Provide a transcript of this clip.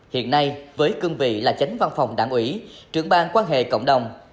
hiện nay với cương vị là tránh văn phòng đảng ủy trưởng bang quan hệ cộng đồng